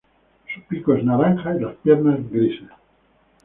Su pico es naranja y las piernas, grises.